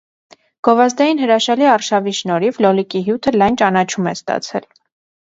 Գովազդային հրաշալի արշավի շնորհիվ լոլիկի հյութը լայն ճանաչում է ստացել։